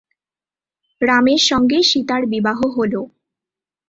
রামের সঙ্গে সীতার বিবাহ হল।